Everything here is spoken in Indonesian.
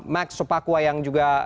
max sopakwa yang juga